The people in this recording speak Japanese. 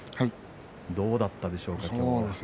どうだったでしょうか。